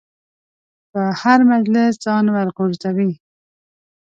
په هر مجلس ځان ورغورځوي.